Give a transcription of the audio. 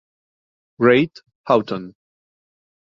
Great Houghton